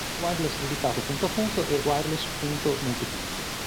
Wireless dedicato punto-punto e Wireless punto-multipunto.